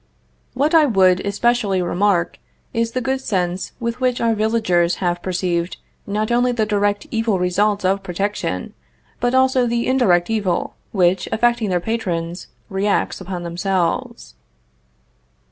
What I would especially remark is the good sense with which our villagers have perceived not only the direct evil results of protection, but also the indirect evil which, affecting their patrons, reacts upon themselves.